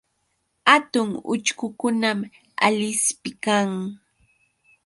Hatun uchkukunam Alispi kan.